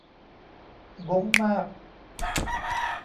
บ๊งมาก